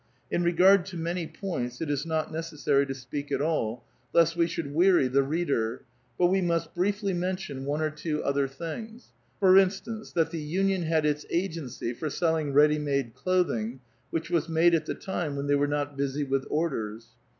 In regard to many points it is not necessary A VITAL QUESTION. 181 to speak at all, Icsfc we should weary the reader; but we must briefly mentiou one or two other things. For instance, that the union had its agency for selling ready made cloth ing, which was made at the time when they were not busy with, orders.